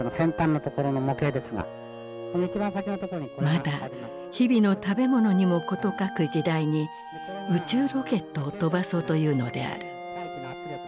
まだ日々の食べ物にも事欠く時代に宇宙ロケットを飛ばそうというのである。